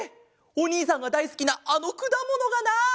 おにいさんがだいすきなあのくだものがない！